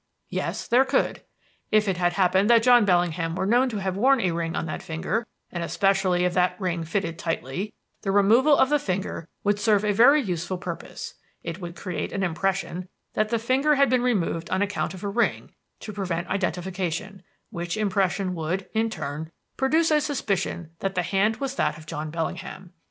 Yes, there could. "If it had happened that John Bellingham were known to have worn a ring on that finger, and especially if that ring fitted tightly, the removal of the finger would serve a very useful purpose. It would create an impression that the finger had been removed on account of a ring, to prevent identification; which impression would, in turn, produce a suspicion that the hand was that of John Bellingham.